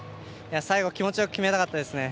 最後気持ち良く決めたかったですね。